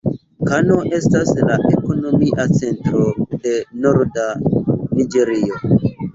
Kano estas la ekonomia centro de norda Niĝerio.